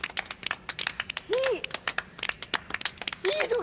いい！